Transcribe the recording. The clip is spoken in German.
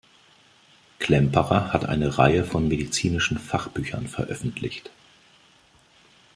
Klemperer hat eine Reihe von medizinischen Fachbüchern veröffentlicht.